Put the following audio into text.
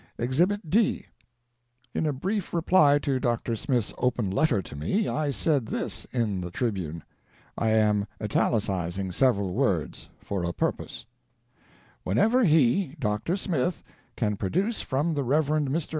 EXHIBIT D. In a brief reply to Dr. Smith's Open Letter to me, I said this in the Tribune. I am italicizing several words — for a purpose : "Whenever he (Dr. Smith) can produce from the Rev. Mr.